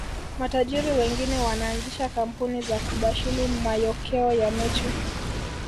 Matajiri wengine wanaanzisha kampuni za kubashili mayokeo ya mechi